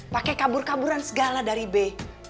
pakai kabur kaburan segala dari b